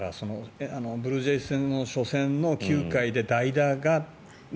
ブルージェイズ戦の初戦の９回で代打がね。